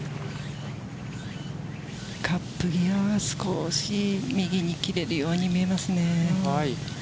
カップ際少し、右に切れるように見えますね。